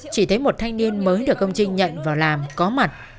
chỉ thấy một thanh niên mới được ông trinh nhận vào làm có mặt